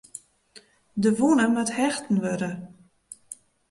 De wûne moat hechte wurde.